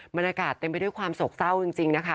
บรรยากาศเต็มไปด้วยความโศกเศร้าจริงนะคะ